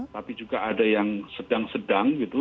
tapi juga ada yang sedang sedang gitu